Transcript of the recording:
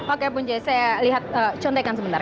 oke puncin contohkan sebentar